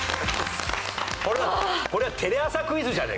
これはテレ朝クイズじゃねえか。